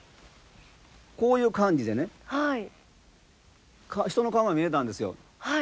こういう感じでね人の顔が見えたんですよ。